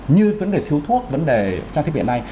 như vấn đề thiếu thuốc vấn đề trang thiết biện này